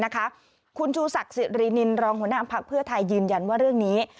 คุณชูศักดิ์สิรินินรองหัวหน้าภักดิ์เพื่อไทยยืนยันว่าเรื่องนี้